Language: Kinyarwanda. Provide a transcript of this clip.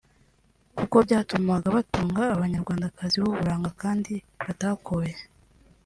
kuko byatumaga batunga Abanyarwandakazi b’uburanga kandi batakoye